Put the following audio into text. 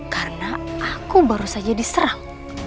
karena aku baru saja diserang